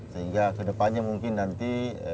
sehingga kedepannya mungkin nanti